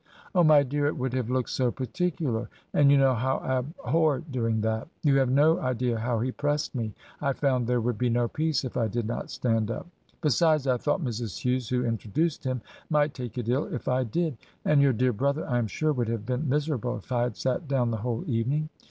... 'Oh, my dear, it would have looked so particular, and you know how I abhor doing that. ... You have no idea how he pressed me. ... I foimd there would be no peace if I did not stand up. Besides, I thought Mrs. Hughes, who introduced him, might take it ill if I did ; and your dear brother, I am sure, would have been miserable if I had sat down the whole evening.